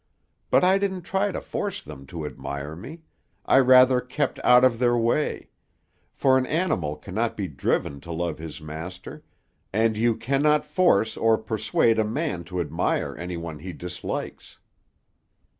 But I didn't try to force them to admire me; I rather kept out of their way; for an animal cannot be driven to love his master, and you cannot force or persuade a man to admire any one he dislikes."